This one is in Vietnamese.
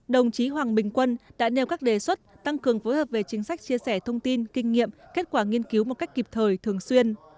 đồng chí hoàng bình quân đã nêu các đề xuất tăng cường phối hợp về chính sách chia sẻ thông tin kinh nghiệm kết quả nghiên cứu một cách kịp thời thường xuyên